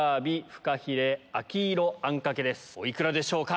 お幾らでしょうか？